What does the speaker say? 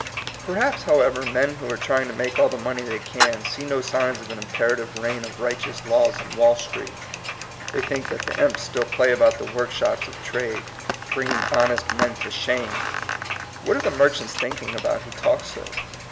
Perhaps, however, men who are trying to make all the money they can, see no signs of an imperative reign of righteous laws in Wall Street. They think that the imps still play about the workshops of trade, bringing honest men to shame! What are the merchants thinking about who talk so?